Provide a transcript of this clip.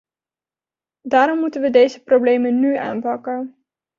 Daarom moeten we deze problemen nu aanpakken.